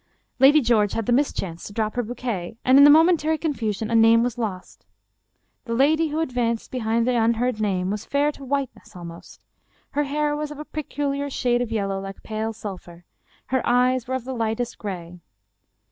Lady George had the mischance to drop her bouquet, and in the momentary con fusion a name was lost. The lady who advanced behind the unheard name was fair to whiteness almost. Her hair was of a peculiar shade of yellow like pale sulphur. Her eyes were of the lightest gray.